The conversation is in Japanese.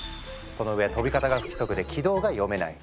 そのうえ飛び方が不規則で軌道が読めない。